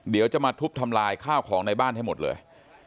เดี๋ยวจะมาทุบทำลายข้าวของในบ้านให้หมดเลย